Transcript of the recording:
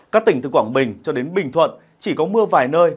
các tỉnh từ quảng bình cho đến bình thuận chỉ có mưa vài nơi